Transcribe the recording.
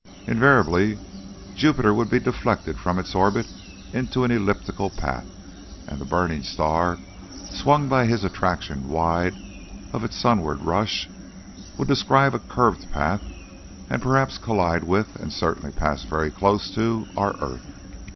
Inevitably Jupiter would be deflected from its orbit into an elliptical path, and the burning star, swung by his attraction wide of its sunward rush, would "describe a curved path" and perhaps collide with, and certainly pass very close to, our earth.